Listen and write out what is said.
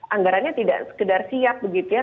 anggarannya tidak sekedar siap begitu ya